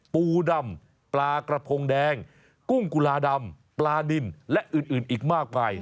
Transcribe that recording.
ปูดำปลากระพงแดงกุ้งกุลาดำปลานินและอื่นอีกมากมาย